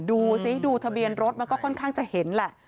ดูซิดูทะเบียนรถมันก็ค่อนข้างจะเห็นแหละ